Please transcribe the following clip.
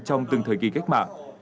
trong từng thời kỳ cách mạng